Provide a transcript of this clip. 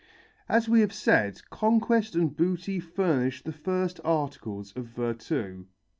As we have said, conquest and booty furnished the first articles of virtu.